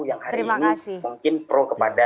yang hari ini mungkin pro kepada